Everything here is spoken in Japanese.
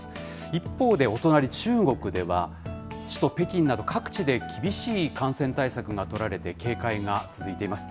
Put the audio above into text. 一方で、お隣、中国では、首都北京など、各地で厳しい感染対策が取られて警戒が続いています。